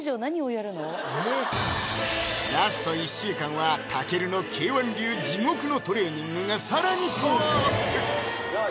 ラスト１週間は武尊のＫー１流地獄のトレーニングが更にパワーアップ用意